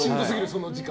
その時間。